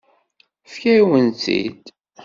Tefka-yawen-tt-id.